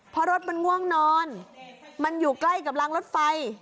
เพราะรถมันง่วงนอนมันอยู่ใกล้กับรางรถไฟ